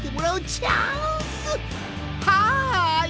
はい！